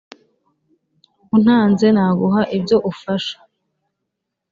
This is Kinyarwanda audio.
untanze naguha ibyo ufasha